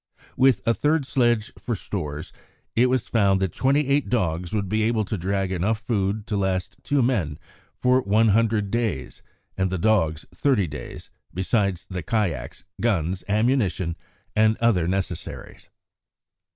With a third sledge for stores, it was found that twenty eight dogs would be able to drag enough food to last two men for one hundred days and the dogs thirty days, besides the kayaks, guns, ammunition, and other necessaries.